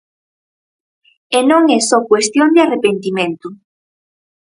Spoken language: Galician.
E non é só cuestión de arrepentimento.